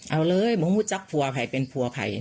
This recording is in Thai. เอาเลยมึงพูดจับผัวภัยเป็นผัวภัย